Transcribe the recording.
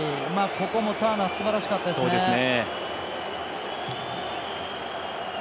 ここもターナーすばらしかったですね。